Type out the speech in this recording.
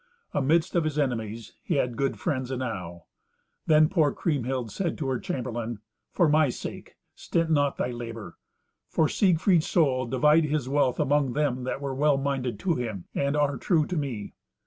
Amidst of his enemies, he had good friends enow. Then poor Kriemhild said to her chamberlain, "For my sake, stint not thy labour. For Siegfried's soul, divide his wealth among them that were well minded to him, and are true to me."